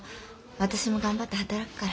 私も頑張って働くから。